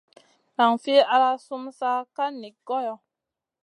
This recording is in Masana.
Nan fi al sumun sa ka niyn goyo.